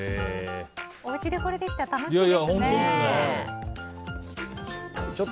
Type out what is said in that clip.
おうちでこれできたら楽しいですね。